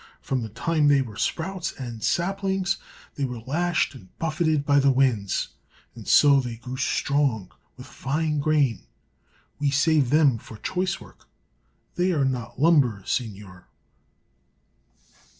From the time they were sprouts and saplings they were lashed and buffeted by the winds, and so they grew strong with fine grain. We save them for choice work; they are not 'lumber,' seignior."